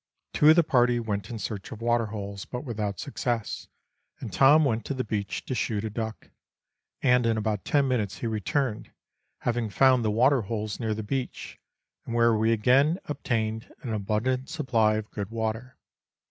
Two of the party went in search of waterholes, but without success ; and Tom went to the beach, to shoot a duck, and in about ten minutes he returned, having found the waterholes near the beach, and where we again obtained an abundant supply of good water.